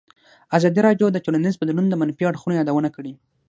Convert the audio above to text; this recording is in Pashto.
ازادي راډیو د ټولنیز بدلون د منفي اړخونو یادونه کړې.